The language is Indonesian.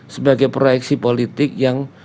sebagai proyeksi politik yang